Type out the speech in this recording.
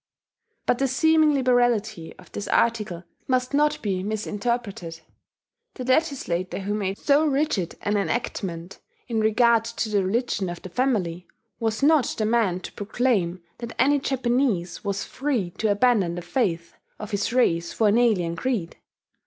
... But the seeming liberality of this article must not be misinterpreted: the legislator who made so rigid an enactment in regard to the religion of the family was not the man to proclaim that any Japanese was free to abandon the faith of his race for an alien creed.